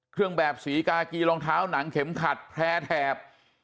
เครื่องแบบสีกากีรองเท้าหนังเข็มขัดแพร่แถบ